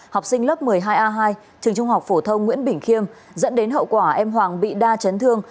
học sinh lớp một mươi hai a hai trường trung học phổ thông nguyễn bình khiêm dẫn đến hậu quả em hoàng bị đa chấn thương